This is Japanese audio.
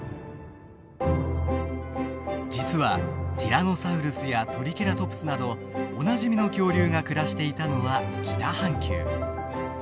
実はティラノサウルスやトリケラトプスなどおなじみの恐竜が暮らしていたのは北半球。